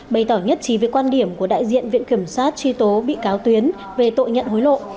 bày tỏ nhất trí về quan điểm của đại diện viện kiểm soát tri tố bị cáo tuyến về tội nhận hối lộ